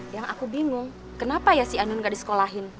yang aku bingung kenapa ya si anun gak disekolahin